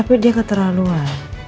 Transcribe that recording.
tapi dia keterlaluan